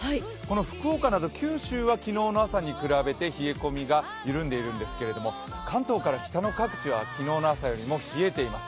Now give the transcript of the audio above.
福岡など九州は昨日の朝に比べて冷え込みが緩んでいるんですけど関東から北の各地は昨日の朝よりも冷えています。